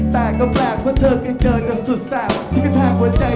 แต่ก็แปลกเพราะเธอไปเจอกันสุดแสบที่กระแทกหัวใจ